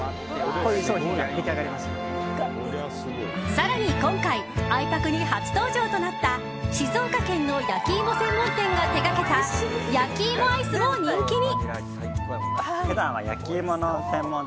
更に、今回あいぱくに初登場となった静岡県の焼き芋専門店が手掛けた焼き芋アイスも人気に。